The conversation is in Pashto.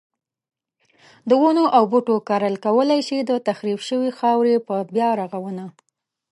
د ونو او بوټو کرل کولای شي د تخریب شوی خاورې په بیا رغونه.